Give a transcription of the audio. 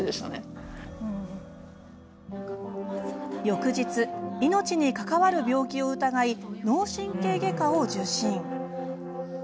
翌日、命に関わる病気を疑い脳神経外科を受診。